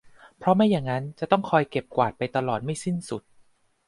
เพราะไม่อย่างนั้นจะต้องคอยเก็บกวาดไปตลอดไม่สิ้นสุด